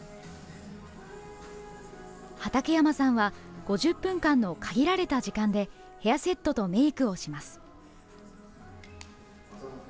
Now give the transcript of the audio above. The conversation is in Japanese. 畠山さんは５０分間の限られた時間でヘアセットとメークをします。